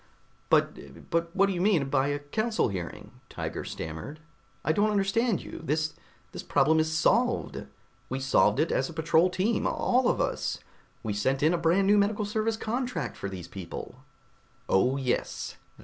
"But but what do you mean by a Council hearing?" Tiger stammered. "I don't understand you! This this problem is solved. We solved it as a patrol team, all of us. We sent in a brand new medical service contract from those people...." "Oh, yes.